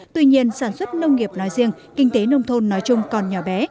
tuy nhiên sản xuất nông nghiệp nói riêng kinh tế nông thôn nói chung còn nhỏ bé